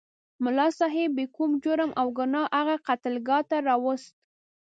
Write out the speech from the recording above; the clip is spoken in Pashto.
ملا صاحب بې کوم جرم او ګناه هغه قتلګاه ته راوست.